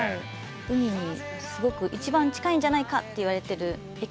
海にすごく一番近いんじゃないかといわれてる駅ですね。